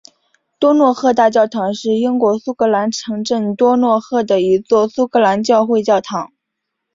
多诺赫大教堂是英国苏格兰城镇多诺赫的一座苏格兰教会教堂。